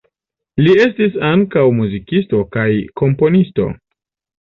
Li estis ankaŭ muzikisto kaj komponisto.